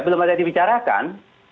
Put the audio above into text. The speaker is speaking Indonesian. ya belum ada dibicarakan